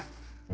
maafin mamang ya